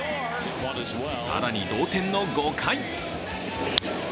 更に同点の５回。